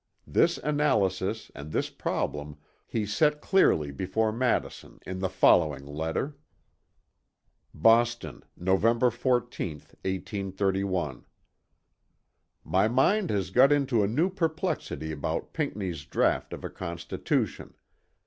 This analysis and this problem he set clearly before Madison in the following letter. "BOSTON, November 14th, 1831. "My mind has got into a new perplexity about Pinckney's Draught of a Constitution.